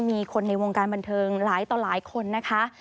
มีคนในวงการบันเทิงหลายต่อหลายคนนะคะ